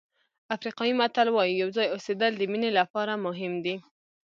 افریقایي متل وایي یو ځای اوسېدل د مینې لپاره مهم دي.